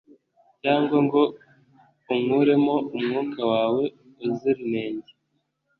cyangwa ngo unkuremo umwuka wawe uzira inenge